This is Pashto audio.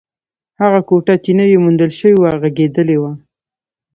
هغه کوټه چې نوې موندل شوې وه، غږېدلې وه.